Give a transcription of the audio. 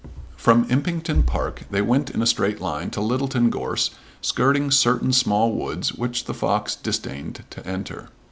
From Impington Park they went in a straight line to Littleton Gorse skirting certain small woods which the fox disdained to enter.